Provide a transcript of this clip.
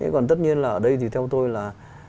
còn tất nhiên là ở đây thì theo tôi là